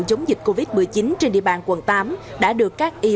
chống dịch covid một mươi chín trên địa bàn quận tám đã được các quân đội